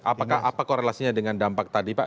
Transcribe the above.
apakah apa korelasinya dengan dampak tadi pak